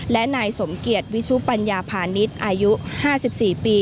และนายสมเกียจวิชุปัญญาพาณิชย์อายุ๕๔ปี